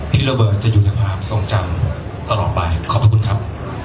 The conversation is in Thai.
พี่โรเบิร์ตจะอยู่ในความทรงจำตลอดไปขอบพระคุณครับ